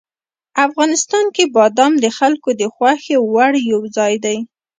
افغانستان کې بادام د خلکو د خوښې وړ یو ځای دی.